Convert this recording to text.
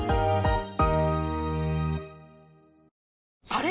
あれ？